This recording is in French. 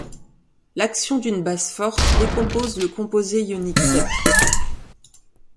L'action d'une base forte décompose le composé ionique sec.